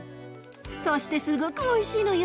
そしてすごくおいしいのよ。